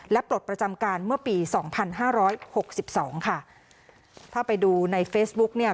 และปลดประจำการเมื่อปีสองพันห้าร้อยหกสิบสองค่ะถ้าไปดูในเฟซบุ๊กเนี่ย